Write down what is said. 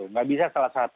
nggak bisa salah satu